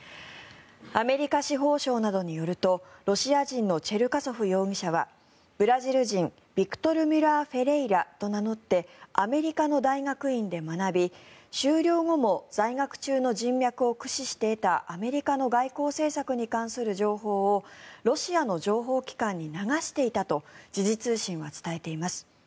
アメリカ司法省などによるとロシア人のチェルカソフ容疑者はブラジル人ビクトル・ミュラー・フェレイラと名乗ってアメリカの大学院で学び修了後も在学中の人脈を駆使して得たアメリカの外交政策に関する情報をロシアの情報機関に流していたと時事通信は伝えています。